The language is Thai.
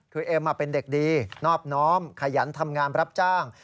คือเอ็มเป็นเด็กดีนอบน้อมขยันทำงานรับจ้าง